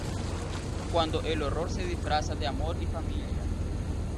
Cuando el horror se disfraza de amor y familia.